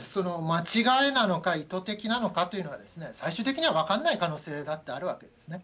間違えなのか、意図的なのかというのは、最終的には分かんない可能性だってあるわけですね。